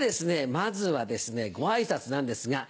まずはご挨拶なんですが。